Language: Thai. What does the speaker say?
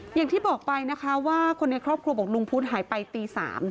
อย่างที่บอกไปนะคะว่าคนในครอบครัวบอกลุงพุทธหายไปตี๓